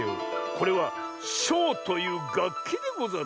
これは「しょう」というがっきでござる。